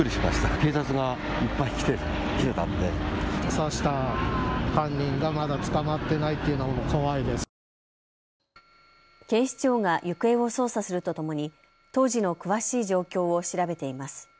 警視庁が行方を捜査するとともに当時の詳しい状況を調べています。